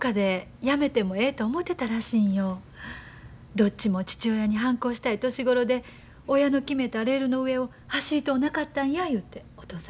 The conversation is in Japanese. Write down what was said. どっちも父親に反抗したい年頃で親の決めたレールの上を走りとうなかったんやいうてお父さん言うてはったけど。